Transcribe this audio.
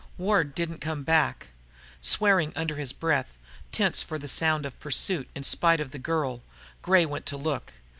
Ward didn't come back. Swearing under his breath, tense for the sound of pursuit in spite of the girl, Gray went to look.